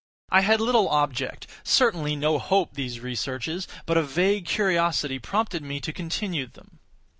I had little object—certainly no hope—in these researches; but a vague curiosity prompted me to continue them.